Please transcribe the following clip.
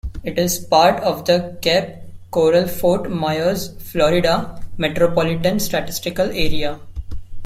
It is part of the Cape Coral-Fort Myers, Florida Metropolitan Statistical Area.